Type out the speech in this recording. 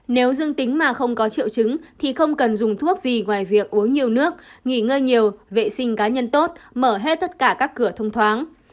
nếu dương tính mà không có triệu chứng thì không cần dùng thuốc gì ngoài việc uống nhiều nước nghỉ ngơi nhiều vệ sinh cá nhân tốt mở hết tất cả các cửa thông thoáng